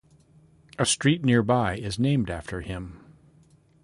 A street nearby is named after him.